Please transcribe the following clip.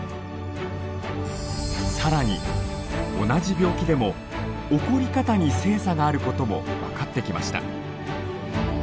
更に同じ病気でも起こり方に性差があることも分かってきました。